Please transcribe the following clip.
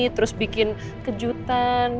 terus bikin kejutan